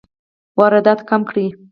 واردات کم کړئ